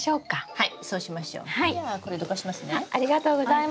はい。